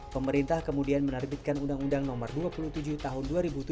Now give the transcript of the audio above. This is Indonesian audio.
pemerintah kemudian menerbitkan undang undang no dua puluh tujuh tahun dua ribu tujuh